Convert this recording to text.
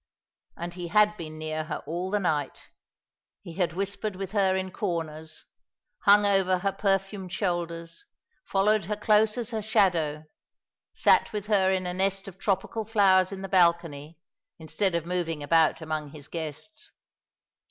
And he had been near her all the night. He had whispered with her in corners, hung over her perfumed shoulders, followed her close as her shadow, sat with her in a nest of tropical flowers in the balcony, instead of moving about among his guests.